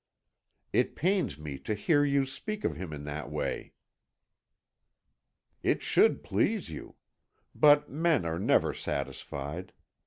"It pains me to hear you speak of him in that way." "It should please you; but men are never satisfied.